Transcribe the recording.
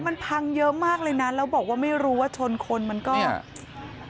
มันพังเยอะมากเลยนะแล้วบอกว่าไม่รู้ว่าชนคนมันก็